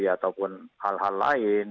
ataupun hal hal lain